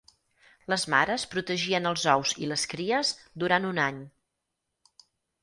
Les mares protegien els ous i les cries durant un any.